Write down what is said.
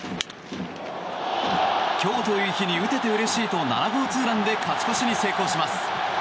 今日という日に打ててうれしいと７号ツーランで勝ち越しに成功します。